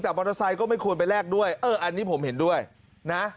แต่มอเตอร์ไซค์ก็ไม่ควรไปแลกด้วยเอออันนี้ผมเห็นด้วยนะ